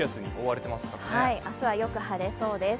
明日は、よく晴れそうです。